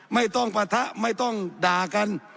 ไม่ต้องปะทะไม่ต้องด่ากัน